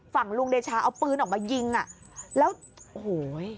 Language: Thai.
ฝั่งลุงเดชาเอาปืนออกมายิงอ่ะแล้วโอ้โห